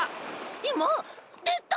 いまでた。